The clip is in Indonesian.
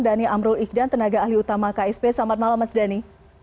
dhani amrul ikhdan tenaga ahli utama ksp selamat malam mas dhani